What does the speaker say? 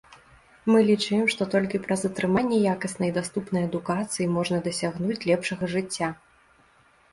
Мы лічым, што толькі праз атрыманне якаснай і даступнай адукацыі можна дасягнуць лепшага жыцця.